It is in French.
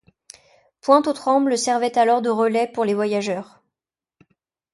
Pointe-aux-Trembles servait alors de relais pour les voyageurs.